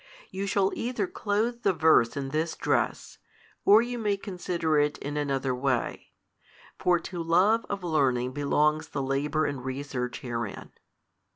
You shall either clothe the verse in this dress, or you may consider it in another way: for to love of learning belongs the labour and research herein.